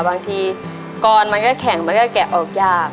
บางทีกรมันก็แข็งมันก็แกะออกยาก